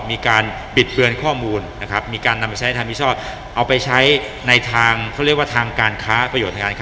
มีการบิดเบือนข้อมูลนะครับมีการนำไปใช้ในทางผิดชอบเอาไปใช้ในทางเขาเรียกว่าทางการค้า